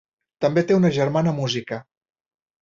També té una germana música.